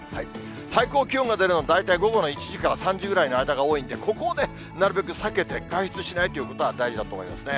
最高気温が出るの、大体午後の１時から３時ぐらいの間が多いんで、ここをなるべく避けて、外出しないってことは大事だと思いますね。